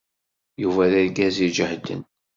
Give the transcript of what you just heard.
Yuba d argaz iǧehden.